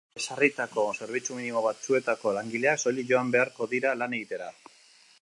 Ezarritako zerbitzu minimo batzuetako langileak soilik joan beharko dira lan egitera.